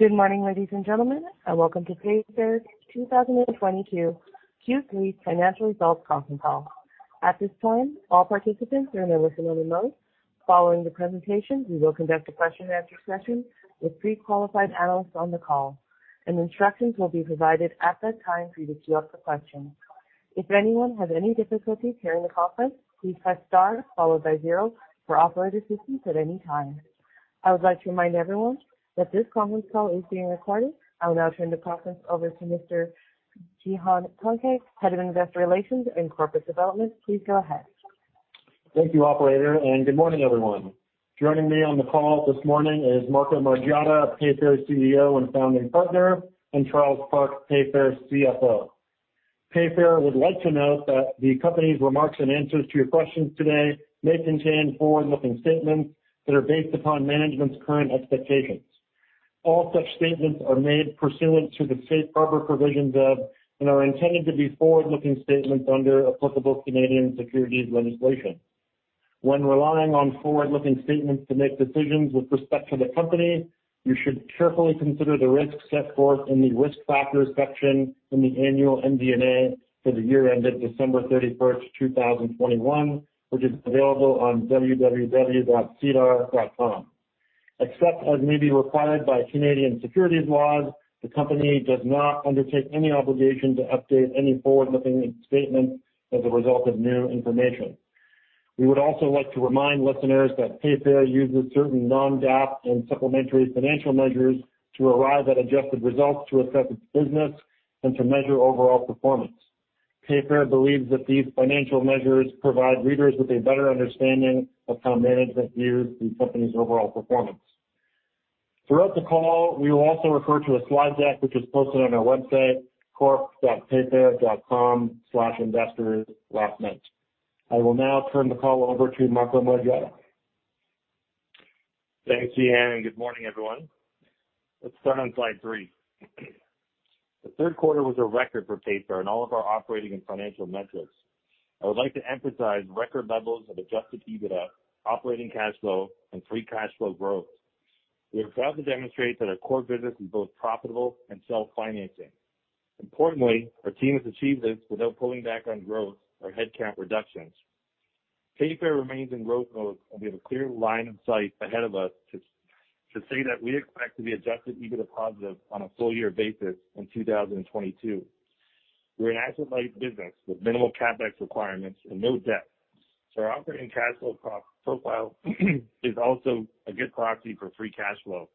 Good morning, ladies and gentlemen, and welcome to Payfare's 2022 Q3 financial results conference call. At this time, all participants are in a listen-only mode. Following the presentation, we will conduct a question-and-answer session with pre-qualified analysts on the call, and instructions will be provided at that time for you to queue up for questions. If anyone has any difficulty hearing the conference, please press star followed by zero for operator assistance at any time. I would like to remind everyone that this conference call is being recorded. I will now turn the conference over to Mr. Cihan Tuncay, Head of Investor Relations and Corporate Development. Please go ahead. Thank you, operator, and good morning, everyone. Joining me on the call this morning is Marco Margiotta, Payfare CEO and founding partner, and Charles Park, Payfare's CFO. Payfare would like to note that the company's remarks and answers to your questions today may contain forward-looking statements that are based upon management's current expectations. All such statements are made pursuant to the safe harbor provisions of, and are intended to be forward-looking statements under applicable Canadian securities legislation. When relying on forward-looking statements to make decisions with respect to the company, you should carefully consider the risks set forth in the Risk Factors section in the annual MD&A for the year ended December 31st, 2021, which is available on www.sedar.com. Except as may be required by Canadian securities laws, the company does not undertake any obligation to update any forward-looking statements as a result of new information. We would also like to remind listeners that Payfare uses certain non-GAAP and supplementary financial measures to arrive at adjusted results to assess its business and to measure overall performance. Payfare believes that these financial measures provide readers with a better understanding of how management views the company's overall performance. Throughout the call, we will also refer to a slide deck, which is posted on our website, corp.payfare.com/investors last night. I will now turn the call over to Marco Margiotta. Thanks, Cihan, and good morning, everyone. Let's start on slide three. The third quarter was a record for Payfare in all of our operating and financial metrics. I would like to emphasize record levels of Adjusted EBITDA, operating cash flow, and free cash flow growth. We are proud to demonstrate that our core business is both profitable and self-financing. Importantly, our team has achieved this without pulling back on growth or headcount reductions. Payfare remains in growth mode, and we have a clear line of sight ahead of us to say that we expect to be Adjusted EBITDA positive on a full year basis in 2022. We're an asset-light business with minimal CapEx requirements and no debt. Our operating cash flow profile is also a good proxy for free cash flow.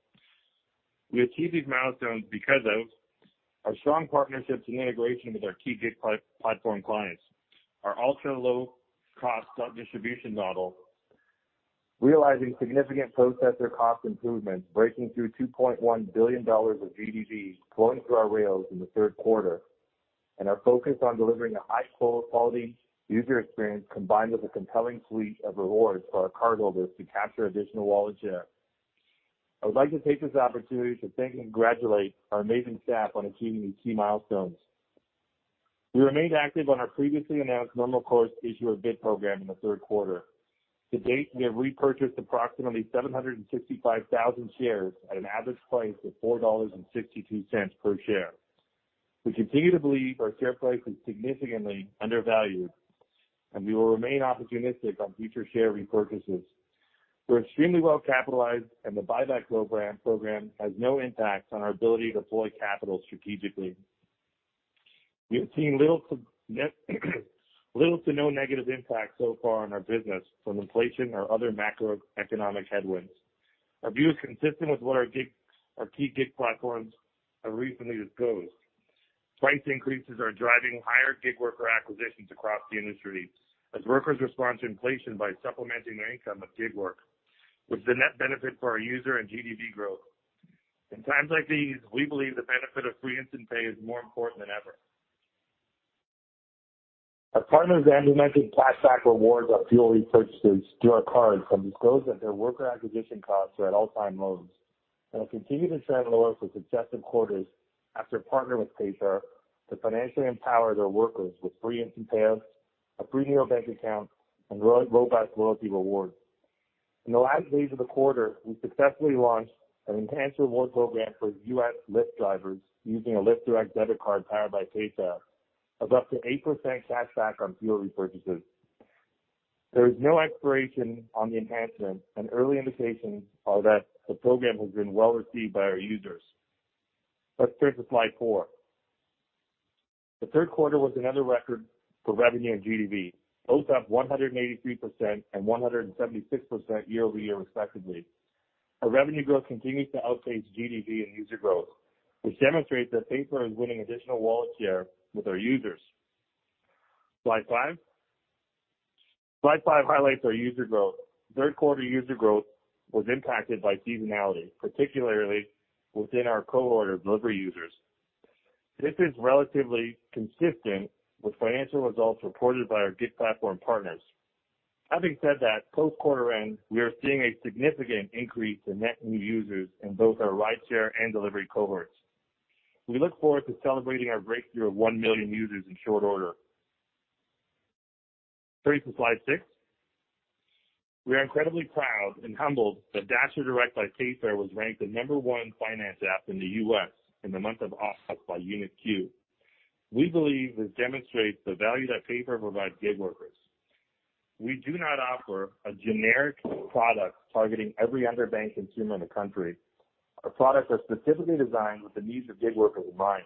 We achieve these milestones because of our strong partnerships and integration with our key gig platform clients, our ultra-low cost of distribution model, realizing significant processor cost improvements, breaking through $2.1 billion of GDV flowing through our rails in the third quarter, and are focused on delivering a high quality user experience combined with a compelling suite of rewards for our cardholders to capture additional wallet share. I would like to take this opportunity to thank and congratulate our amazing staff on achieving these key milestones. We remained active on our previously announced normal course issuer bid program in the third quarter. To date, we have repurchased approximately 765,000 shares at an average price of $4.62 per share. We continue to believe our share price is significantly undervalued, and we will remain opportunistic on future share repurchases. We're extremely well capitalized and the buyback program has no impact on our ability to deploy capital strategically. We have seen little to no negative impact so far on our business from inflation or other macroeconomic headwinds. Our view is consistent with what our key gig platforms have recently disclosed. Price increases are driving higher gig worker acquisitions across the industry as workers respond to inflation by supplementing their income with gig work, with the net benefit for our user and GDV growth. In times like these, we believe the benefit of Free Instant Pay is more important than ever. Our partners implementing cash back rewards on fuel repurchases through our card have disclosed that their worker acquisition costs are at all-time lows and will continue to trend lower for successive quarters after partnering with Payfare to financially empower their workers with Free Instant Pay, a free neobank account, and loyalty rewards. In the last days of the quarter, we successfully launched an enhanced reward program for U.S. Lyft drivers using a Lyft Direct debit card powered by Payfare of up to 8% cash back on fuel repurchases. There is no expiration on the enhancement, and early indications are that the program has been well received by our users. Let's turn to slide four. The third quarter was another record for revenue and GDV, both up 183% and 176% year-over-year, respectively. Our revenue growth continues to outpace GDV and user growth, which demonstrates that Payfare is winning additional wallet share with our users. Slide five. Slide five highlights our user growth. Third quarter user growth was impacted by seasonality, particularly within our cohort of delivery users. This is relatively consistent with financial results reported by our gig platform partners. Having said that, post-quarter end, we are seeing a significant increase in net new users in both our rideshare and delivery cohorts. We look forward to celebrating our breakthrough of 1 million users in short order. Turn to slide six. We are incredibly proud and humbled that DasherDirect by Payfare was ranked the number 1 finance app in the U.S. in the month of August by unitQ. We believe this demonstrates the value that Payfare provides gig workers. We do not offer a generic product targeting every underbanked consumer in the country. Our products are specifically designed with the needs of gig workers in mind.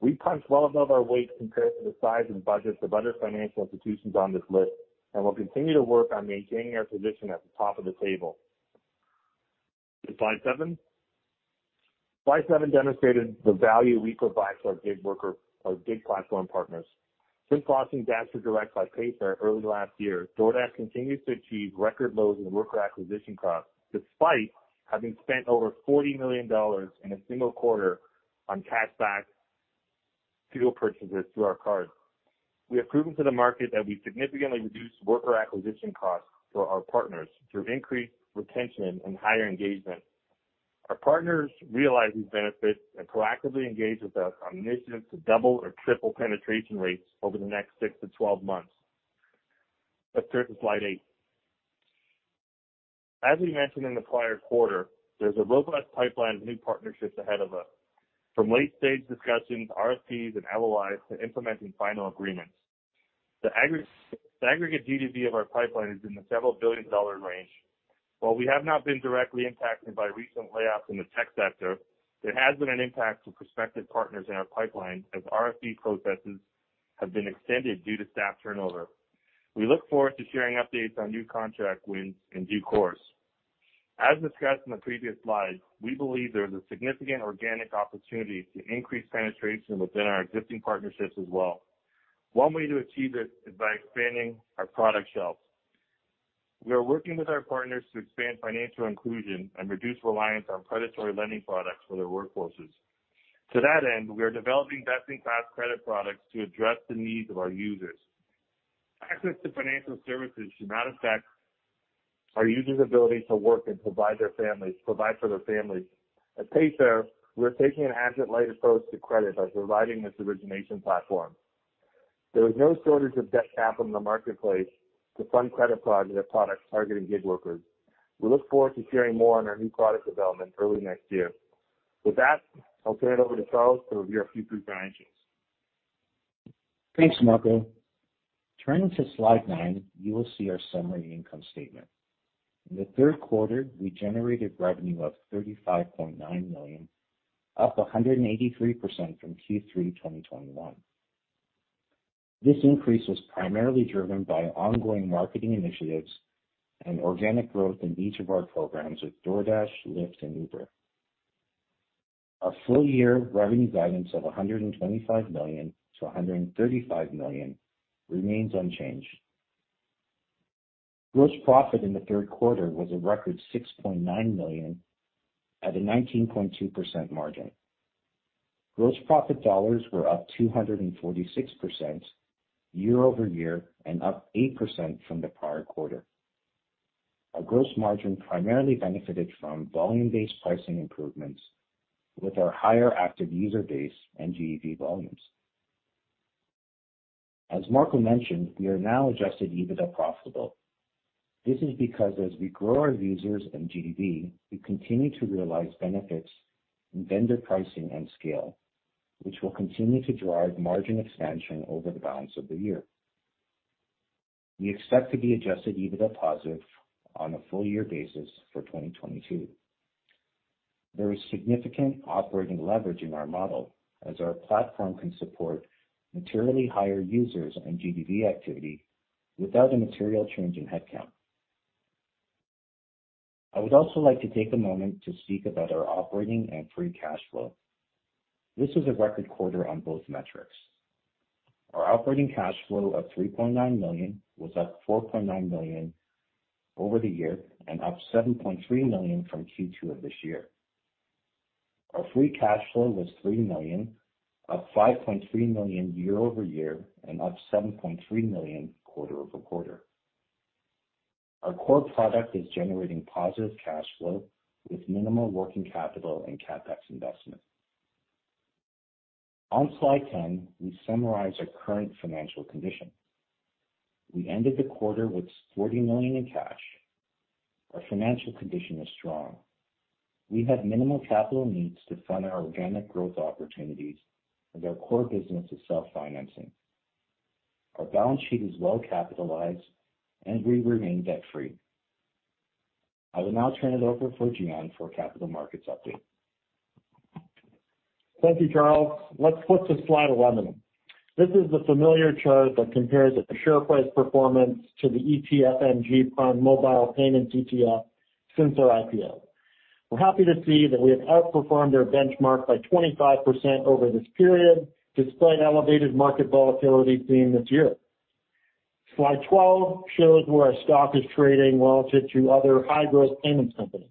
We punch well above our weight compared to the size and budgets of other financial institutions on this list, and we'll continue to work on maintaining our position at the top of the table. Slide seven. Slide seven demonstrated the value we provide to our gig worker, our gig platform partners. Since launching DasherDirect by Payfare early last year, DoorDash continues to achieve record lows in worker acquisition costs, despite having spent over $40 million in a single quarter on cash back fuel purchases through our card. We have proven to the market that we significantly reduce worker acquisition costs for our partners through increased retention and higher engagement. Our partners realize these benefits and proactively engage with us on initiatives to double or triple penetration rates over the next 6-12 months. Let's turn to slide eight. As we mentioned in the prior quarter, there's a robust pipeline of new partnerships ahead of us, from late-stage discussions, RFPs and LOIs, to implementing final agreements. The aggregate GDV of our pipeline is in the several billion CAD range. While we have not been directly impacted by recent layoffs in the tech sector, there has been an impact to prospective partners in our pipeline as RFP processes have been extended due to staff turnover. We look forward to sharing updates on new contract wins in due course. As discussed in the previous slide, we believe there is a significant organic opportunity to increase penetration within our existing partnerships as well. One way to achieve this is by expanding our product shelf. We are working with our partners to expand financial inclusion and reduce reliance on predatory lending products for their workforces. To that end, we are developing best-in-class credit products to address the needs of our users. Access to financial services should not affect our users' ability to work and provide for their families. At Payfare, we're taking an asset-light approach to credit by providing this origination platform. There is no shortage of debt cap in the marketplace to fund credit products targeting gig workers. We look forward to sharing more on our new product development early next year. With that, I'll turn it over to Charles to review a few key financials. Thanks, Marco. Turning to slide nine, you will see our summary income statement. In the third quarter, we generated revenue of 35.9 million, up 183% from Q3 2021. This increase was primarily driven by ongoing marketing initiatives and organic growth in each of our programs with DoorDash, Lyft, and Uber. Our full-year revenue guidance of 125 million-135 million remains unchanged. Gross profit in the third quarter was a record CAD 6.9 million at a 19.2% margin. Gross profit dollars were up 246% year-over-year and up 8% from the prior quarter. Our gross margin primarily benefited from volume-based pricing improvements with our higher active user base and GDV volumes. As Marco mentioned, we are now Adjusted EBITDA profitable. This is because as we grow our users and GDV, we continue to realize benefits in vendor pricing and scale, which will continue to drive margin expansion over the balance of the year. We expect to be Adjusted EBITDA positive on a full year basis for 2022. There is significant operating leverage in our model as our platform can support materially higher users and GDV activity without a material change in headcount. I would also like to take a moment to speak about our operating and free cash flow. This was a record quarter on both metrics. Our operating cash flow of $3.9 million was up $4.9 million over the year and up $7.3 million from Q2 of this year. Our free cash flow was 3 million, up 5.3 million year-over-year and up 7.3 million quarter-over-quarter. Our core product is generating positive cash flow with minimal working capital and CapEx investment. On slide 10, we summarize our current financial condition. We ended the quarter with 40 million in cash. Our financial condition is strong. We have minimal capital needs to fund our organic growth opportunities, and our core business is self-financing. Our balance sheet is well capitalized, and we remain debt-free. I will now turn it over to Cihan for capital markets update. Thank you, Charles. Let's flip to slide 11. This is the familiar chart that compares the share price performance to the ETF and ETFMG Prime Mobile Payments ETF since our IPO. We're happy to see that we have outperformed our benchmark by 25% over this period, despite elevated market volatility seen this year. Slide 12 shows where our stock is trading relative to other high-growth payment companies.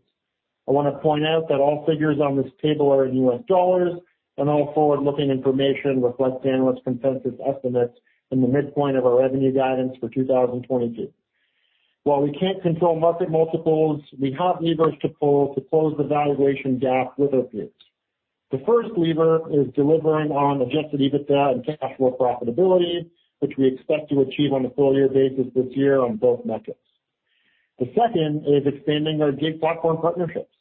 I want to point out that all figures on this table are in U.S. dollars, and all forward-looking information reflects analyst consensus estimates in the midpoint of our revenue guidance for 2022. While we can't control market multiples, we have levers to pull to close the valuation gap with our peers. The first lever is delivering on Adjusted EBITDA and cash flow profitability, which we expect to achieve on a full year basis this year on both metrics. The second is expanding our gig platform partnerships.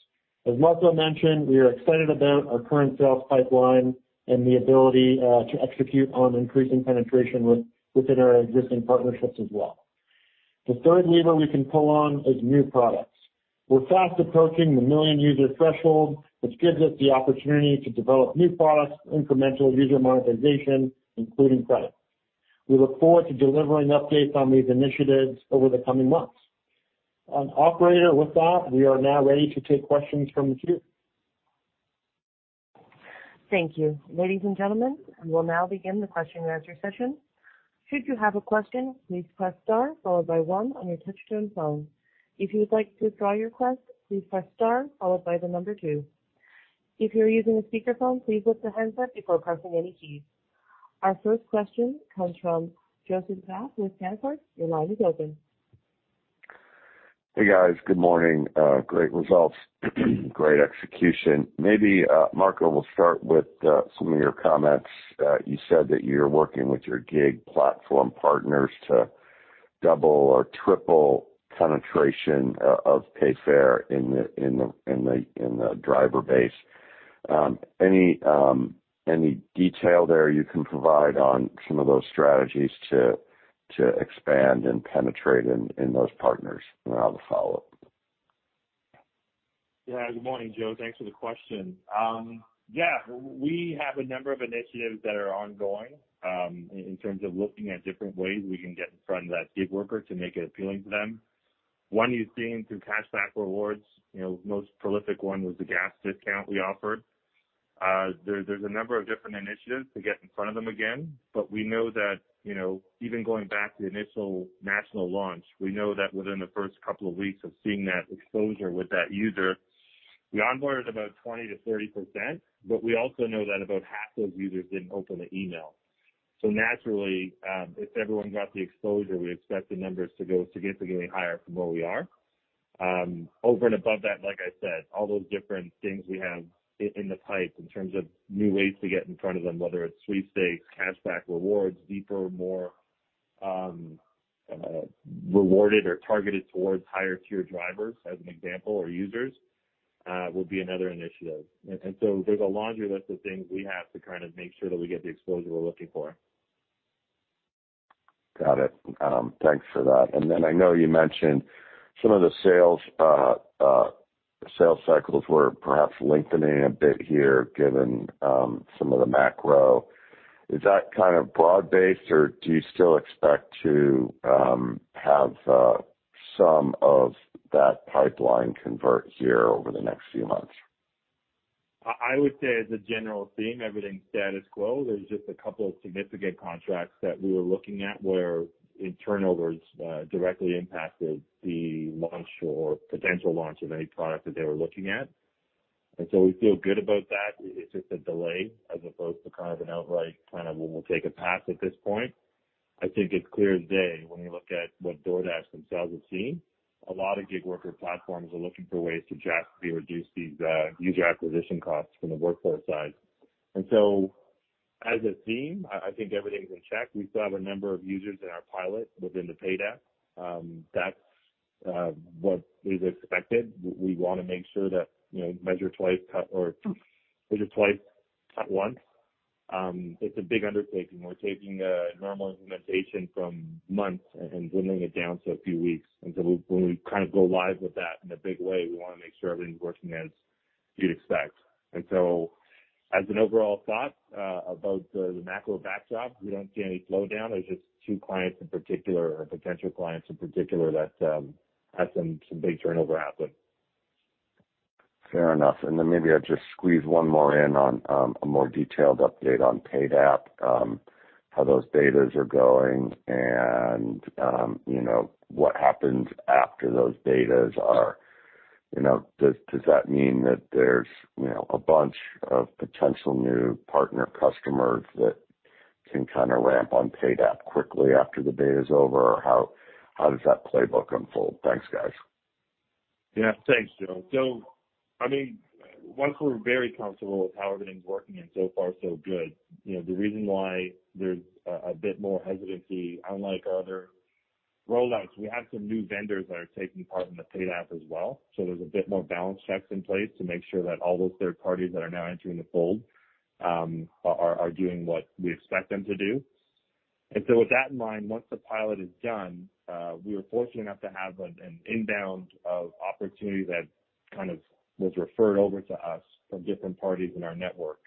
As Marco mentioned, we are excited about our current sales pipeline and the ability to execute on increasing penetration within our existing partnerships as well. The third lever we can pull on is new products. We're fast approaching the 1 million user threshold, which gives us the opportunity to develop new products, incremental user monetization, including credit. We look forward to delivering updates on these initiatives over the coming months. Operator, with that, we are now ready to take questions from the queue. Thank you. Ladies and gentlemen, we will now begin the question and answer session. Should you have a question, please press star followed by one on your touchtone phone. If you would like to withdraw your request, please press star followed by the number two. If you're using a speakerphone, please lift the handset before pressing any keys. Our first question comes from Joseph Vafi with Canaccord Genuity. Your line is open. Hey, guys. Good morning. Great results, great execution. Maybe, Marco, we'll start with some of your comments. You said that you're working with your gig platform partners to double or triple penetration of Payfare in the driver base. Any detail there you can provide on some of those strategies to expand and penetrate in those partners? I'll have a follow-up. Yeah. Good morning, Joe. Thanks for the question. Yeah, we have a number of initiatives that are ongoing, in terms of looking at different ways we can get in front of that gig worker to make it appealing to them. One you've seen through cashback rewards, you know, most prolific one was the gas discount we offered. There's a number of different initiatives to get in front of them again, but we know that, you know, even going back to the initial national launch, we know that within the first couple of weeks of seeing that exposure with that user, we onboarded about 20%-30%, but we also know that about half those users didn't open the email. Naturally, if everyone got the exposure, we expect the numbers to go significantly higher from where we are. Over and above that, like I said, all those different things we have in the pipe in terms of new ways to get in front of them, whether it's sweepstakes, cashback rewards, deeper, more, rewarded or targeted towards higher tier drivers as an example or users, will be another initiative. There's a laundry list of things we have to kind of make sure that we get the exposure we're looking for. Got it. Thanks for that. Then I know you mentioned some of the sales cycles were perhaps lengthening a bit here given some of the macro. Is that kind of broad-based or do you still expect to have some of that pipeline convert here over the next few months? I would say as a general theme, everything's status quo. There's just a couple of significant contracts that we were looking at where internal turnovers directly impacted the launch or potential launch of any product that they were looking at. We feel good about that. It's just a delay as opposed to an outright, "Well, we'll take a pass at this point." I think it's clear as day when you look at what DoorDash themselves have seen, a lot of gig worker platforms are looking for ways to drastically reduce these user acquisition costs from the workforce side. As a theme, I think everything's in check. We still have a number of users in our pilot within the Paid App. That's what is expected. We wanna make sure that, you know, measure twice, cut once. It's a big undertaking. We're taking a normal implementation from months and dwindling it down to a few weeks. When we kind of go live with that in a big way, we wanna make sure everything's working as you'd expect. As an overall thought about the macro backdrop, we don't see any slowdown. There's just two clients in particular or potential clients in particular that had some big turnover happen. Fair enough. Maybe I'll just squeeze one more in on a more detailed update on Paid App, how those betas are going and, you know, what happens after those betas are. You know, does that mean that there's, you know, a bunch of potential new partner customers that can kinda ramp on Paid App quickly after the beta is over? Or how does that playbook unfold? Thanks, guys. Yeah. Thanks, Joe. I mean, once we're very comfortable with how everything's working and so far so good, you know, the reason why there's a bit more hesitancy, unlike other rollouts, we have some new vendors that are taking part in the Paid App as well. There's a bit more balance checks in place to make sure that all those third parties that are now entering the fold are doing what we expect them to do. With that in mind, once the pilot is done, we are fortunate enough to have an inbound of opportunity that kind of was referred over to us from different parties in our network,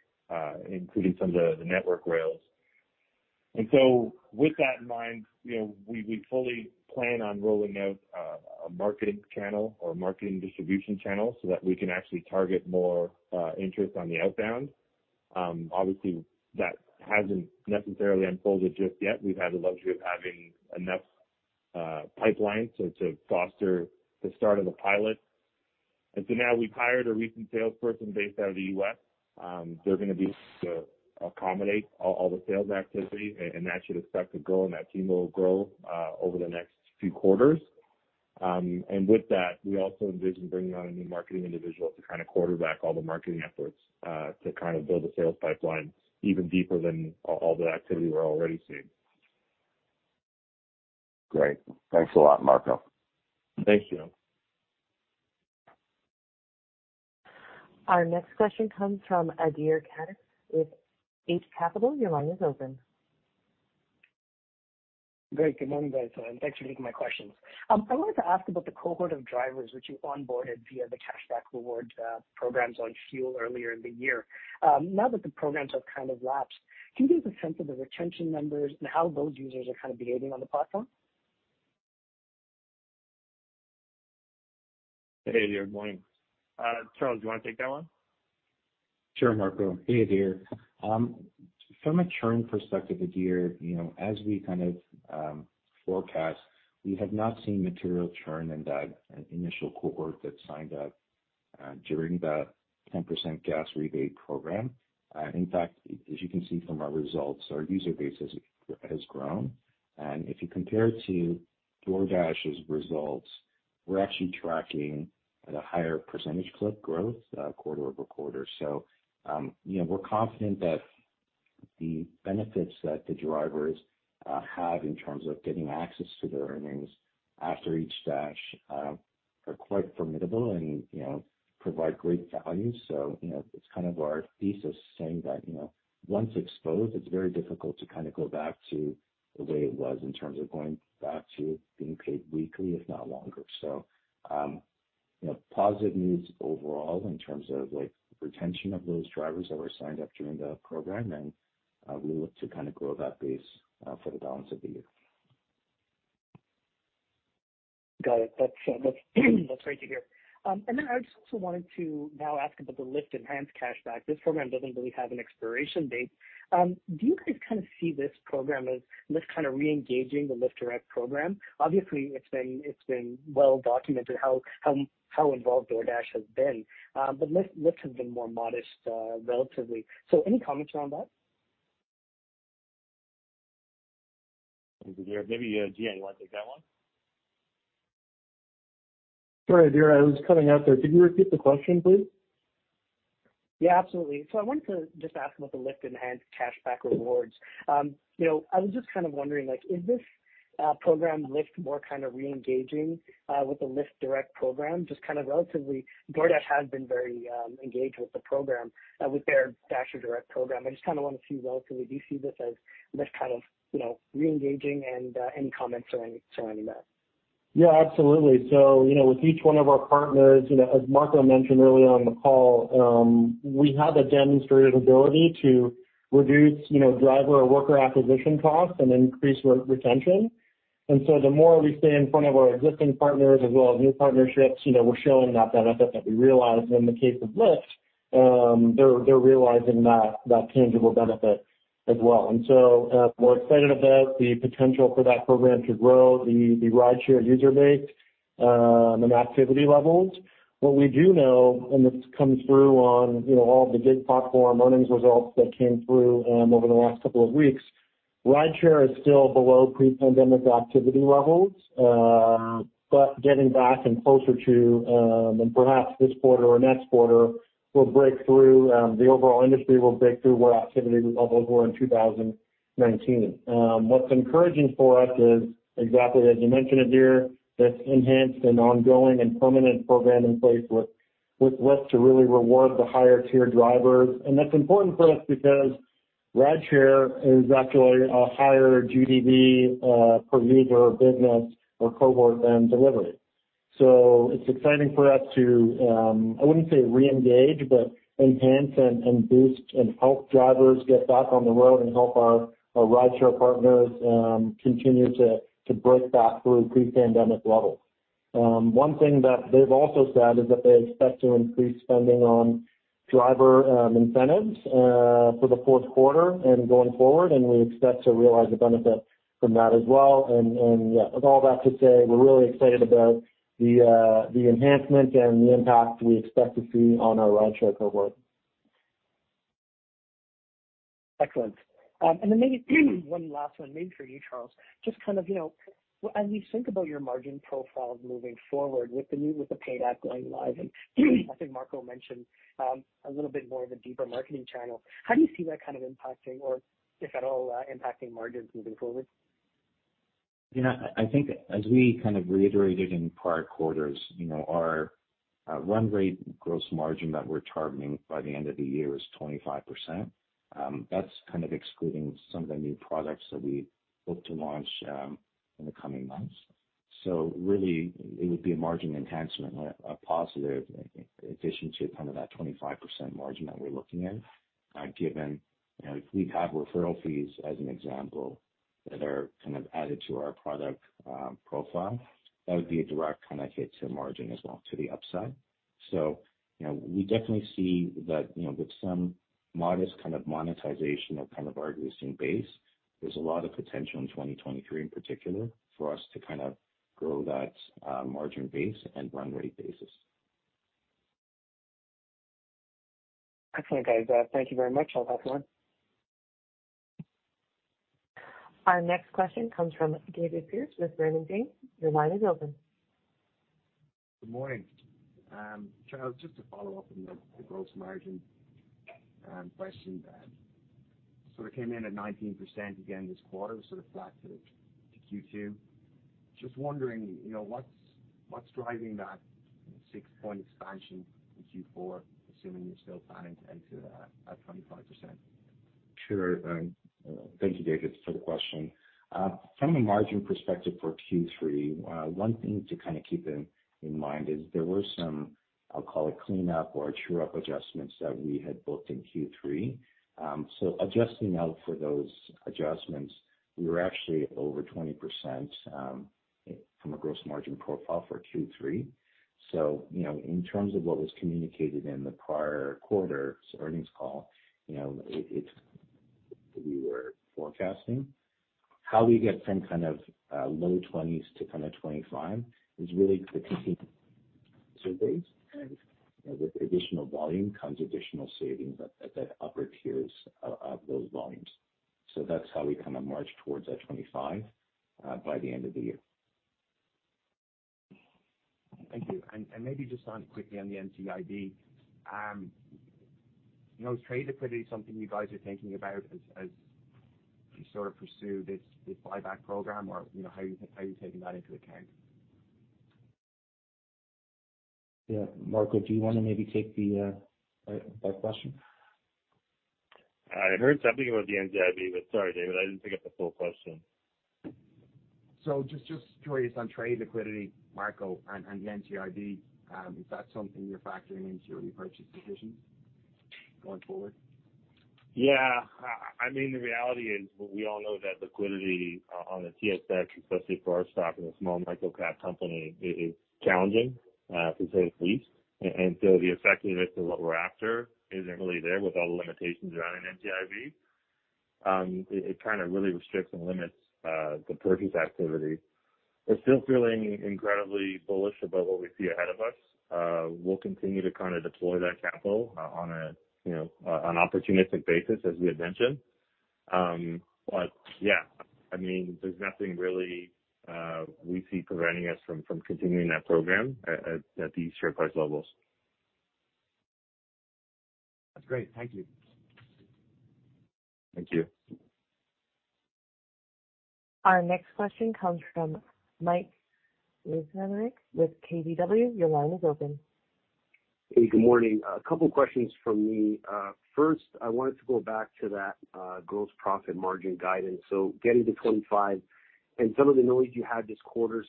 including some of the network rails. With that in mind, you know, we fully plan on rolling out a marketing channel or marketing distribution channel so that we can actually target more interest on the outbound. Obviously that hasn't necessarily unfolded just yet. We've had the luxury of having enough pipeline to foster the start of the pilot. Now we've hired a recent salesperson based out of the U.S. They're gonna be there to accommodate all the sales activity, and that we expect to grow, and that team will grow over the next few quarters. With that, we also envision bringing on a new marketing individual to kind of quarterback all the marketing efforts to kind of build a sales pipeline even deeper than all the activity we're already seeing. Great. Thanks a lot, Marco. Thank you. Our next question comes from Adhir Kadve with Eight Capital. Your line is open. Great. Good morning, guys, and thanks for taking my questions. I wanted to ask about the cohort of drivers which you onboarded via the cashback reward programs on fuel earlier in the year. Now that the programs have kind of lapsed, can you give a sense of the retention numbers and how those users are kind of behaving on the platform? Hey, Adhir. Good morning. Charles, do you wanna take that one? Sure, Marco. Hey, Adhir. From a churn perspective, Adhir, you know, as we kind of forecast, we have not seen material churn in that initial cohort that signed up during that 10% gas rebate program. In fact, as you can see from our results, our user base has grown. If you compare it to DoorDash's results, we're actually tracking at a higher percentage clip growth quarter-over-quarter. You know, we're confident that the benefits that the drivers have in terms of getting access to their earnings after each dash are quite formidable and, you know, provide great value. You know, it's kind of our thesis saying that, you know, once exposed, it's very difficult to kinda go back to the way it was in terms of going back to being paid weekly, if not longer. You know, positive news overall in terms of, like, retention of those drivers that were signed up during the program, and we look to kinda grow that base for the balance of the year. Got it. That's great to hear. I just also wanted to now ask about the Lyft Enhanced Cashback. This program doesn't really have an expiration date. Do you guys kinda see this program as Lyft kinda reengaging the Lyft Direct program? Obviously, it's been well documented how involved DoorDash has been. Lyft has been more modest, relatively. Any comments around that? Adhir, maybe, Cihan, you wanna take that one? Sorry, Adhir, I was coming out there. Could you repeat the question, please? Yeah, absolutely. I wanted to just ask about the Lyft Enhanced Cashback rewards. You know, I was just kind of wondering, like, is this Lyft program more kind of reengaging with the Lyft Direct program? Just kind of relatively, DoorDash has been very engaged with the program with their DasherDirect program. I just kinda wanna see relatively, do you see this as this kind of, you know, reengaging and any comments or any surrounding that? Yeah, absolutely. You know, with each one of our partners, you know, as Marco mentioned earlier on in the call, we have a demonstrated ability to reduce, you know, driver or worker acquisition costs and increase retention. The more we stay in front of our existing partners as well as new partnerships, you know, we're showing that benefit that we realize in the case of Lyft, they're realizing that tangible benefit as well. We're excited about the potential for that program to grow the rideshare user base and activity levels. What we do know, and it's come through on, you know, all the gig platform earnings results that came through over the last couple of weeks, rideshare is still below pre-pandemic activity levels, but getting back and closer to, and perhaps this quarter or next quarter will break through, the overall industry will break through where activity levels were in 2019. What's encouraging for us is exactly as you mentioned, Adhir, that's enhanced and ongoing and permanent program in place with Lyft to really reward the higher tier drivers. That's important for us because rideshare is actually a higher GDV per user business or cohort than delivery. It's exciting for us to, I wouldn't say re-engage, but enhance and boost and help drivers get back on the road and help our rideshare partners continue to break back through pre-pandemic levels. One thing that they've also said is that they expect to increase spending on driver incentives for the fourth quarter and going forward, and we expect to realize the benefit from that as well. Yeah, with all that to say, we're really excited about the enhancement and the impact we expect to see on our rideshare cohort. Excellent. Maybe one last one maybe for you, Charles. Just kind of, you know, as we think about your margin profile moving forward with the Paid App going live, and I think Marco mentioned a little bit more of a deeper marketing channel. How do you see that kind of impacting or if at all impacting margins moving forward? You know, I think as we kind of reiterated in prior quarters, you know, our run rate gross margin that we're targeting by the end of the year is 25%. That's kind of excluding some of the new products that we hope to launch in the coming months. Really it would be a margin enhancement, a positive addition to kind of that 25% margin that we're looking at, given, you know, if we have referral fees as an example that are kind of added to our product profile, that would be a direct kind of hit to margin as well to the upside. You know, we definitely see that, you know, with some modest kind of monetization of kind of our existing base, there's a lot of potential in 2023 in particular for us to kind of grow that, margin base and run rate basis. Excellent, guys. Thank you very much. I'll pass it on. Our next question comes from David Pearce with Raymond James. Your line is open. Good morning. Charles, just to follow up on the gross margin question. Sort of came in at 19% again this quarter, sort of flat to Q2. Just wondering, you know, what's driving that six-point expansion in Q4, assuming you're still planning to exit at 25%? Sure. Thank you, David, for the question. From a margin perspective for Q3, one thing to kind of keep in mind is there were some. I'll call it cleanup or true up adjustments that we had booked in Q3. Adjusting out for those adjustments, we were actually over 20%, from a gross margin profile for Q3. In terms of what was communicated in the prior quarter's earnings call, you know, it's. We were forecasting. How we get from kind of low 20s to kind of 25 is really the continued surveys. You know, with additional volume comes additional savings at the upper tiers of those volumes. That's how we kind of march towards that 25 by the end of the year. Thank you. Maybe just quickly on the NCIB. You know, is trade liquidity something you guys are thinking about as you sort of pursue this buyback program? You know, how are you taking that into account? Yeah. Marco, do you wanna maybe take that question? I heard something about the NCIB. Sorry, David, I didn't pick up the full question. Just curious on trade liquidity, Marco, and the NCIB, is that something you're factoring into your repurchase decisions going forward? Yeah. I mean, the reality is we all know that liquidity on the TSX, especially for our stock as a small microcap company, is challenging to say the least. The effectiveness of what we're after isn't really there with all the limitations around an NCIB. It kind of really restricts and limits the purchase activity. We're still feeling incredibly bullish about what we see ahead of us. We'll continue to kind of deploy that capital on a, you know, on opportunistic basis, as we had mentioned. Yeah, I mean, there's nothing really we see preventing us from continuing that program at these share price levels. That's great. Thank you. Thank you. Our next question comes from Mike Colonnese with KBW. Your line is open. Hey, good morning. A couple questions from me. First, I wanted to go back to that, gross profit margin guidance, so getting to 25% and some of the noise you had this quarter.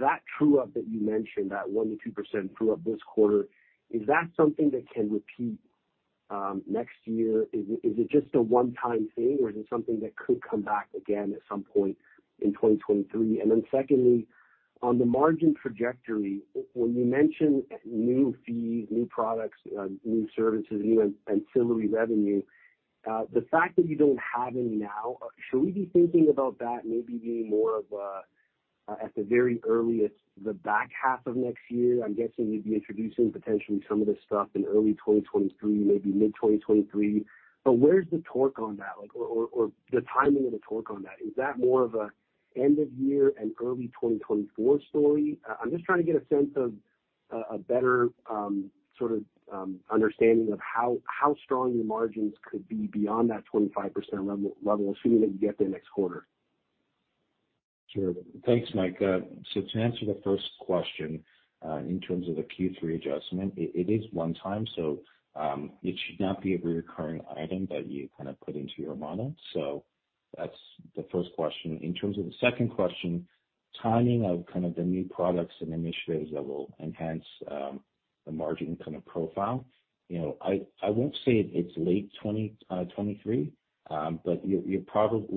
That true up that you mentioned, that 1%-2% true up this quarter, is that something that can repeat, next year? Is it just a one-time thing, or is it something that could come back again at some point in 2023? Secondly, on the margin trajectory, when you mention new fees, new products, new services, new ancillary revenue, the fact that you don't have any now, should we be thinking about that maybe being more of a, at the very earliest, the back half of next year? I'm guessing you'd be introducing potentially some of this stuff in early 2023, maybe mid 2023. Where's the torque on that? Like, or the timing of the torque on that, is that more of a end of year and early 2024 story? I'm just trying to get a sense of a better sort of understanding of how strong your margins could be beyond that 25% level, assuming that you get there next quarter. Sure. Thanks, Mike. To answer the first question, in terms of the Q3 adjustment, it is one time, so it should not be a recurring item that you kind of put into your model. That's the first question. In terms of the second question, timing of kind of the new products and initiatives that will enhance the margin kind of profile, you know, I won't say it's late 2023. But you're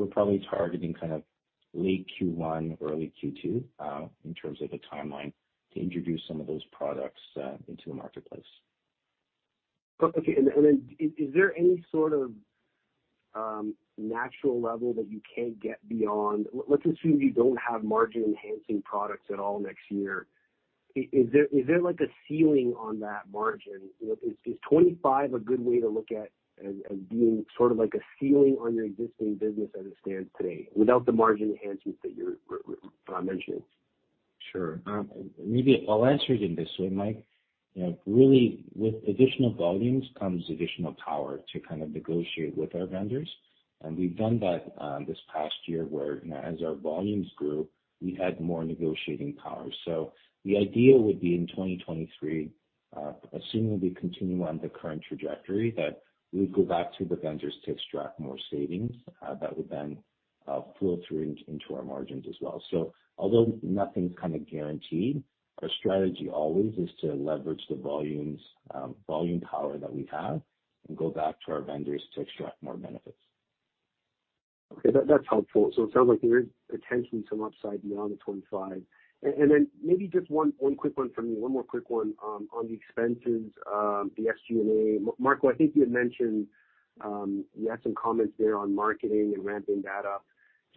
probably targeting kind of late Q1, early Q2, in terms of a timeline to introduce some of those products into the marketplace. Okay. Then is there any sort of natural level that you can't get beyond? Let's assume you don't have margin enhancing products at all next year. Is there like a ceiling on that margin? You know, is 25% a good way to look at as being sort of like a ceiling on your existing business as it stands today without the margin enhancements that you're which you mentioned? Sure. Maybe I'll answer it in this way, Mike. You know, really, with additional volumes comes additional power to kind of negotiate with our vendors. We've done that, this past year where, you know, as our volumes grew, we had more negotiating power. The idea would be in 2023, assuming we continue on the current trajectory, that we go back to the vendors to extract more savings, that would then, flow through into our margins as well. Although nothing's kinda guaranteed, our strategy always is to leverage the volumes, volume power that we have and go back to our vendors to extract more benefits. Okay, that's helpful. So it sounds like there is potentially some upside beyond the 25. Maybe just one quick one from me, one more quick one on the expenses, the SG&A. Marco, I think you had mentioned you had some comments there on marketing and ramping that up.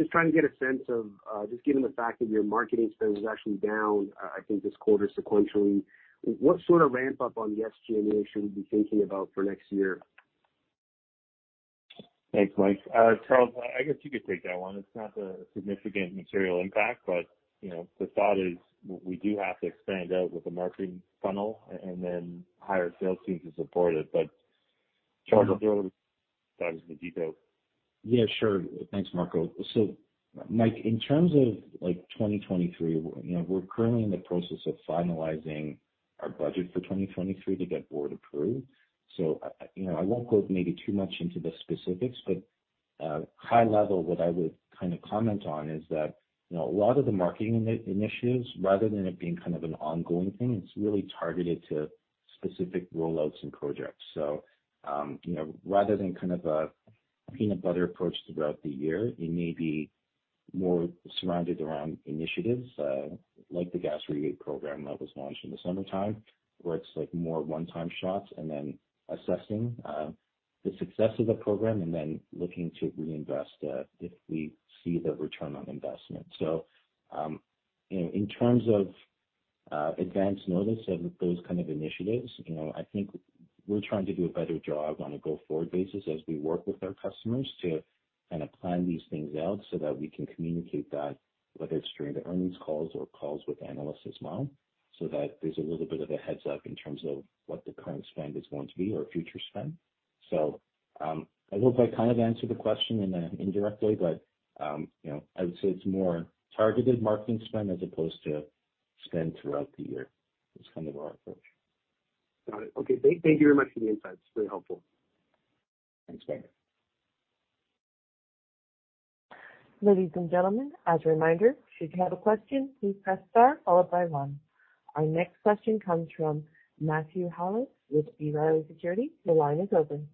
Just trying to get a sense of, just given the fact that your marketing spend was actually down, I think this quarter sequentially, what sort of ramp up on the SG&A should we be thinking about for next year? Thanks, Mike. Charles, I guess you could take that one. It's not a significant material impact, but, you know, the thought is we do have to expand out with the marketing funnel and then hire sales teams to support it. Charles will be able to dive into the details. Yeah, sure. Thanks, Marco. Mike, in terms of like 2023, you know, we're currently in the process of finalizing our budget for 2023 to get board approved. I, you know, I won't go maybe too much into the specifics, but high level, what I would kind of comment on is that, you know, a lot of the marketing initiatives, rather than it being kind of an ongoing thing, it's really targeted to specific rollouts and projects. You know, rather than kind of a peanut butter approach throughout the year, it may be more surrounded around initiatives, like the gas rebate program that was launched in the summertime, where it's like more one-time shots and then assessing the success of the program and then looking to reinvest, if we see the return on investment. You know, in terms of advance notice of those kind of initiatives, you know, I think we're trying to do a better job on a go-forward basis as we work with our customers to kinda plan these things out so that we can communicate that, whether it's during the earnings calls or calls with analysts as well, so that there's a little bit of a heads-up in terms of what the current spend is going to be or future spend. I hope I kind of answered the question indirectly, but, you know, I would say it's more targeted marketing spend as opposed to spend throughout the year. That's kind of our approach. Got it. Okay. Thank you very much for the insight. It's really helpful. Thanks. Ladies and gentlemen, as a reminder, if you have a question, please press star followed by one. Our next question comes from Matthew Howllett with B. Riley Securities. Your line is open.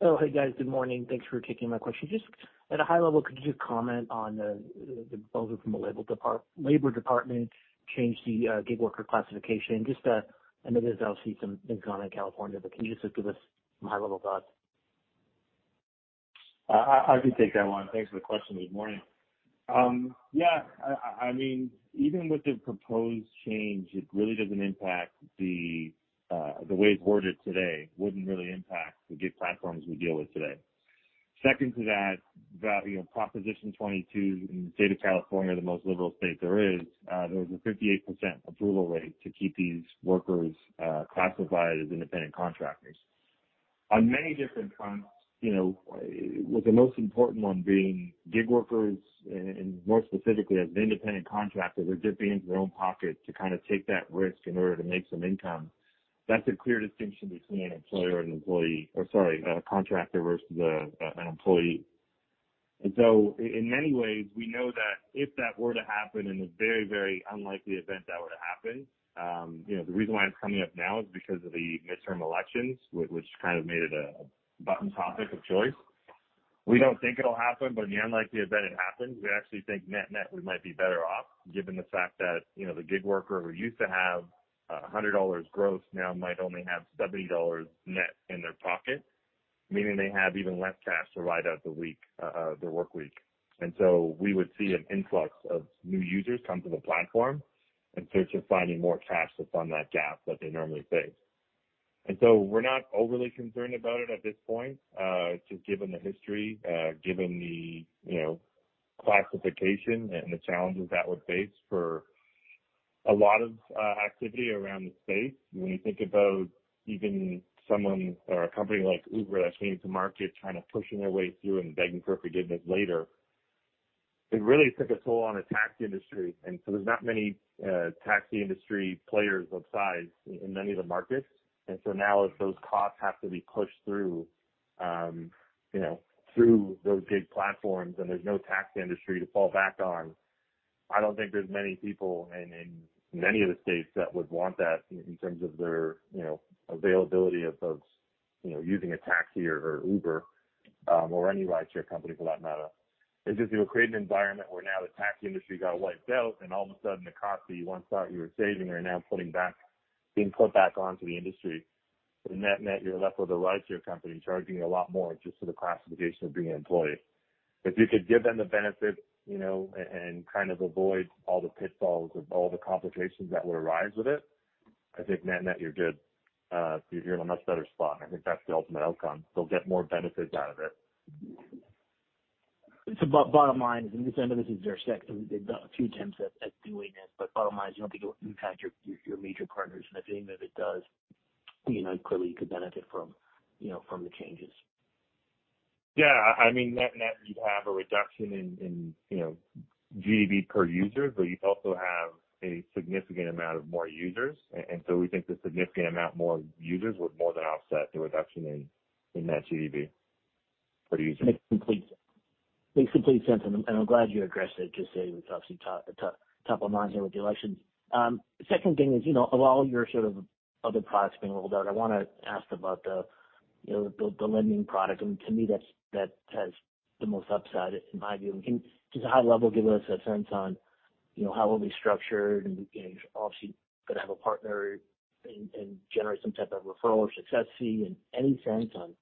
Oh, hey, guys. Good morning. Thanks for taking my question. Just at a high level, could you just comment on the vote from the Department of Labor changing the gig worker classification? Just, I know there's obviously some things going on in California, but can you just give us some high-level thoughts? I can take that one. Thanks for the question. Good morning. Yeah, I mean, even with the proposed change, it really doesn't impact the way it's worded today wouldn't really impact the gig platforms we deal with today. Second to that, you know, Proposition 22 in the state of California, the most liberal state there is, there was a 58% approval rate to keep these workers classified as independent contractors. On many different fronts, you know, with the most important one being gig workers, and more specifically as an independent contractor, they're dipping into their own pocket to kind of take that risk in order to make some income. That's a clear distinction between an employer and employee. Or sorry, a contractor versus an employee. In many ways, we know that if that were to happen in a very unlikely event, you know, the reason why it's coming up now is because of the midterm elections which kind of made it a hot-button topic of choice. We don't think it'll happen, but in the unlikely event it happens, we actually think net-net we might be better off, given the fact that, you know, the gig worker who used to have $100 gross now might only have $70 net in their pocket, meaning they have even less cash to ride out the week, their workweek. We would see an influx of new users come to the platform in search of finding more cash to fund that gap that they normally face. We're not overly concerned about it at this point, just given the history, you know, classification and the challenges that would face for a lot of activity around the space. When you think about even someone or a company like Uber that came to market kind of pushing their way through and begging for forgiveness later, it really took a toll on the taxi industry. There's not many taxi industry players of size in many of the markets. Now if those costs have to be pushed through, you know, through those gig platforms and there's no taxi industry to fall back on, I don't think there's many people in many of the states that would want that in terms of their, you know, availability of those, you know, using a taxi or Uber or any rideshare company for that matter. It's just it would create an environment where now the taxi industry got wiped out and all of a sudden the costs that you once thought you were saving are now being put back onto the industry. Net-net, you're left with a rideshare company charging you a lot more just for the classification of being an employee. If you could give them the benefit, you know, and kind of avoid all the pitfalls of all the complications that would arise with it, I think net-net you're good. You're in a much better spot. I think that's the ultimate outcome. They'll get more benefits out of it. Bottom line is, and I know this is your sector, there's been a few attempts at doing this, but bottom line is you don't think it will impact your major partners, and if any of it does, you know, clearly you could benefit from, you know, from the changes. Yeah. I mean, net-net, you'd have a reduction in, you know, GDV per user, but you also have a significant amount of more users. We think the significant amount more users would more than offset the reduction in that GDV per user. Makes complete sense. I'm glad you addressed it, just saying it's obviously top of mind here with the elections. Second thing is, you know, other products being rolled out. I wanna ask about the, you know, the lending product. To me that has the most upside in my view. Can you just high level give us a sense on, you know, how it'll be structured and, you know, obviously gonna have a partner and generate some type of referral or success fee and any sense on,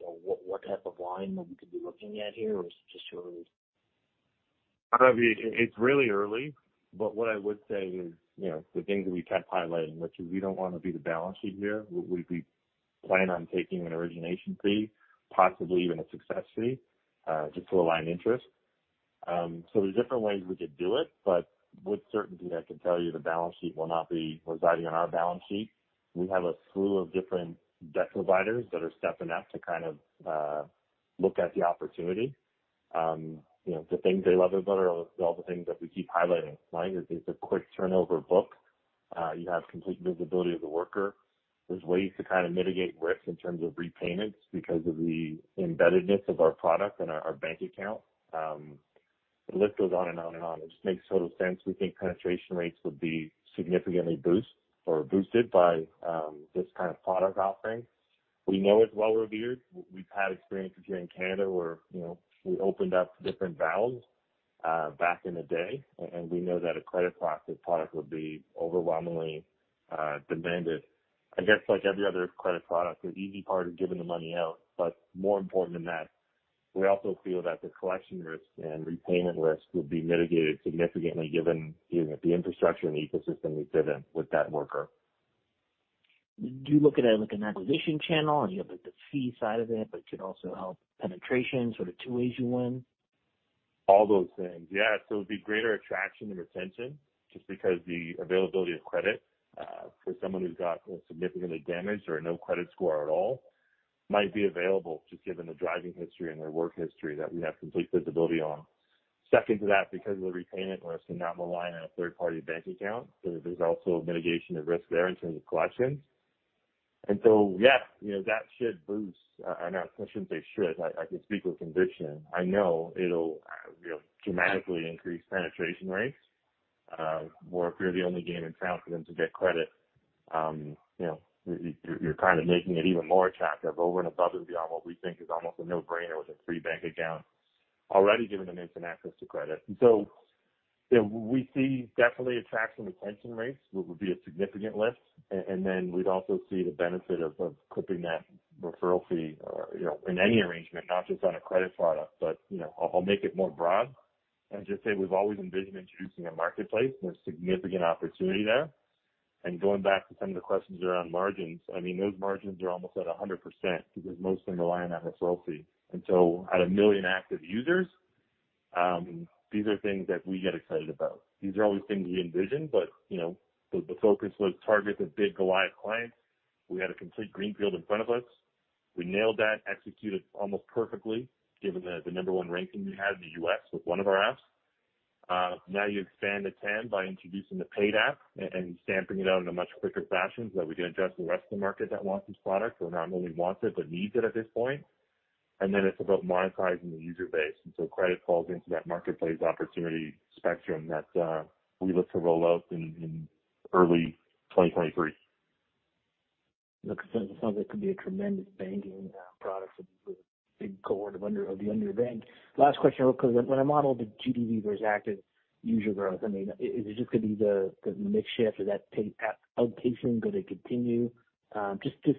you know, what type of line that we could be looking at here, or is it just too early? It's really early, but what I would say is, you know, the things that we kept highlighting, which is we don't wanna be the balance sheet here. We plan on taking an origination fee, possibly even a success fee, just to align interest. There's different ways we could do it, but with certainty, I can tell you the balance sheet will not be residing on our balance sheet. We have a slew of different debt providers that are stepping up to kind of look at the opportunity. You know, the things they love about it are all the things that we keep highlighting. Right? It's a quick turnover book. You have complete visibility of the worker. There's ways to kind of mitigate risk in terms of repayments because of the embeddedness of our product and our bank account. The list goes on and on and on. It just makes total sense. We think penetration rates would be significantly boost or boosted by this kind of product offering. We know it's well reviewed. We've had experiences here in Canada where, you know, we opened up different valves back in the day, and we know that a credit product would be overwhelmingly demanded. I guess like every other credit product, the easy part is giving the money out, but more important than that, we also feel that the collection risk and repayment risk would be mitigated significantly given, you know, the infrastructure and the ecosystem we've given with that worker. Do you look at it like an acquisition channel and you have like the fee side of it, but it could also help penetration sort of two ways you win? All those things, yeah. It would be greater attraction and retention just because the availability of credit, for someone who's got significantly damaged or no credit score at all, might be available just given the driving history and their work history that we have complete visibility on. Second to that, because of the repayment risk and not relying on a third party bank account, there's also a mitigation of risk there in terms of collections. Yes, you know, that should boost. I know I shouldn't say should, I can speak with conviction. I know it'll, you know, dramatically increase penetration rates, where if you're the only game in town for them to get credit, you know, you're kind of making it even more attractive over and above and beyond what we think is almost a no-brainer with a free bank account already giving them instant access to credit. You know, we see definitely attraction retention rates, what would be a significant lift. Then we'd also see the benefit of clipping that referral fee or, you know, in any arrangement, not just on a credit product. You know, I'll make it more broad and just say we've always envisioned introducing a marketplace and there's significant opportunity there. Going back to some of the questions around margins, I mean, those margins are almost at 100% because mostly relying on that referral fee. Out of million active users, these are things that we get excited about. These are always things we envisioned, you know, the focus was target the big Goliath clients. We had a complete greenfield in front of us. We nailed that, executed almost perfectly given the number one ranking we had in the U.S. with one of our apps. Now you expand the tent by introducing the Paid App and stamping it out in a much quicker fashion so that we can address the rest of the market that wants this product, or not only wants it but needs it at this point. Then it's about monetizing the user base. Credit falls into that marketplace opportunity spectrum that we look to roll out in early 2023. Looks like it could be a tremendous banking product with a big cohort of the underbanked. Last question, real quick. When I model the GDV versus active user growth, I mean, is it just gonna be the mix shift or that Paid App outpacing gonna continue? Just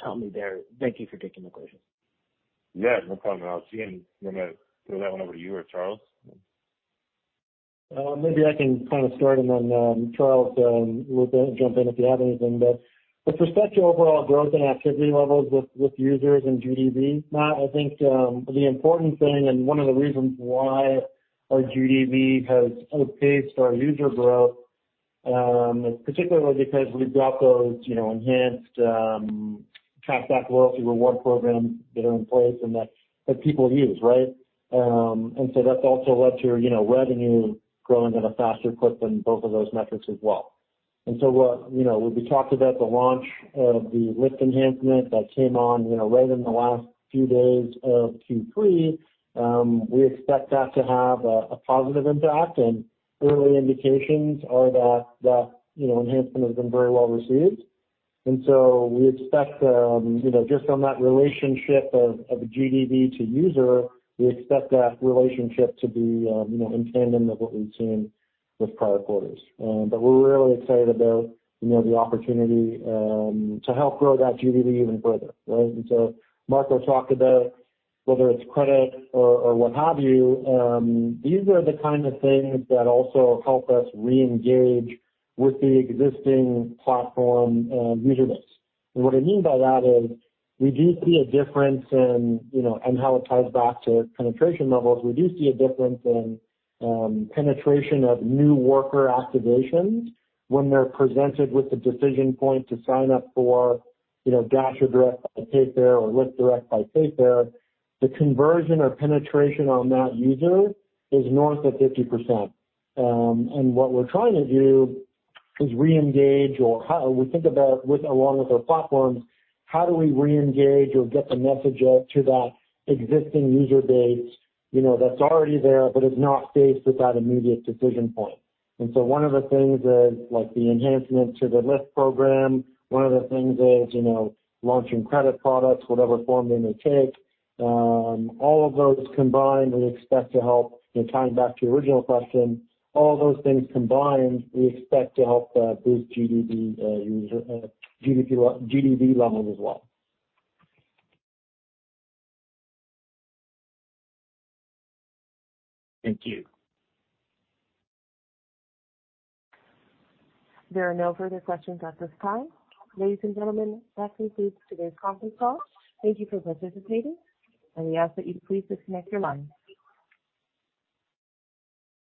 tell me that. Thank you for taking the question. Yeah, no problem at all. Cihan, you wanna throw that one over to you or Charles? Maybe I can kind of start and then Charles Park will jump in if you have anything. With respect to overall growth and activity levels with users and GDV, Matthew Howlett, I think the important thing and one of the reasons why our GDV has outpaced our user growth is particularly because we've got those you know enhanced cashback loyalty reward program that are in place and that people use, right? That's also led to you know revenue growing at a faster clip than both of those metrics as well. You know, we talked about the launch of the Lyft enhancement that came on you know right in the last few days of Q3. We expect that to have a positive impact and early indications are that the you know enhancement has been very well received. We expect, you know, just on that relationship of GDV to user, we expect that relationship to be, you know, in tandem with what we've seen with prior quarters. But we're really excited about, you know, the opportunity to help grow that GDV even further, right? Marco talked about whether it's credit or what have you, these are the kind of things that also help us reengage with the existing platform user base. What I mean by that is we do see a difference in, you know, and how it ties back to penetration levels. We do see a difference in penetration of new worker activations when they're presented with the decision point to sign up for, you know, DasherDirect by Payfare or Lyft Direct by Payfare. The conversion or penetration on that user is north of 50%. What we're trying to do is reengage, along with our platforms, how do we reengage or get the message out to that existing user base, you know, that's already there but is not faced with that immediate decision point. One of the things is like the enhancement to the Lyft program. One of the things is, you know, launching credit products, whatever form they may take. All of those combined, we expect to help. You know, tying back to your original question, all those things combined, we expect to help, boost GDV levels as well. Thank you. There are no further questions at this time. Ladies and gentlemen, that concludes today's conference call. Thank you for participating, and we ask that you to please disconnect your lines.